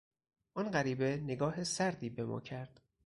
آن غریبه نگاه سردی به ما کرد.